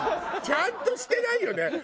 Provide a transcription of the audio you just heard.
ちゃんとしてないよね。